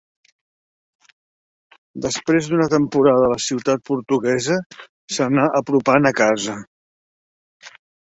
Després d'una temporada a la ciutat portuguesa, s'anà apropant a casa.